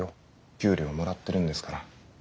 給料もらってるんですから。